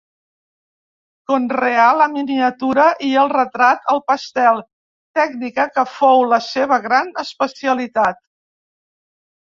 Conreà la miniatura i el retrat al pastel, tècnica que fou la seva gran especialitat.